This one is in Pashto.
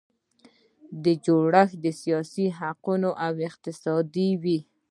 دا جوړښت سیاسي، حقوقي او اقتصادي وي.